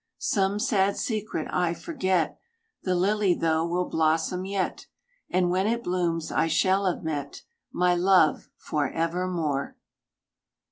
Some sad secret I forget. The lily though will blossom yet: And when it blooms I shall have met My love for evermore.